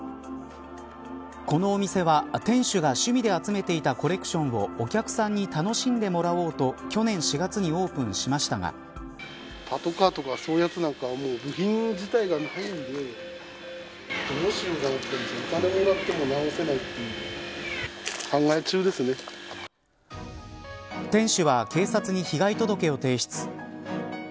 このお店は店主が趣味で集めていたコレクションをお客さんに楽しんでもらおうと去年４月にオープンしましたが店主は警察に被害届を提出。